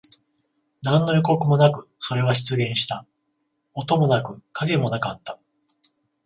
何の予告もなく、それは出現した。音もなく、影もなかった。